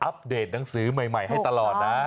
เดตหนังสือใหม่ให้ตลอดนะ